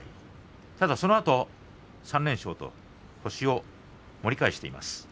ただそのあと３連勝と星を盛り返しています。